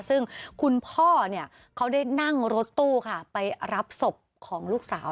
ซึ่งคุณพ่อเนี่ยเขาได้นั่งรถตู้ค่ะไปรับศพของลูกสาว